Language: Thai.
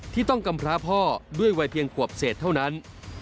ที่ต้องกำพร้าพ่อด้วยวัยเพียงขวบเศษเท่านั้น